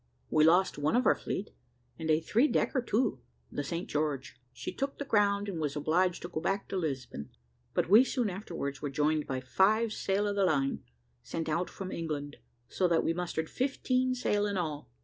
We lost one of our fleet and a three decker, too the St. George; she took the ground, and was obliged to go back to Lisbon; but we soon afterwards were joined by five sail of the line, sent out from England, so that we mustered fifteen sail in all.